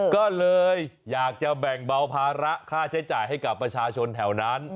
ก็เลยอยากจะแบ่งเบาภาระค่าใช้จ่ายให้กับประชาชนแถวนั้น